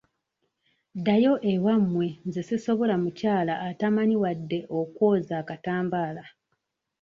Ddayo ewammwe nze sisobola mukyala atamanyi wadde okwoza akatambaala.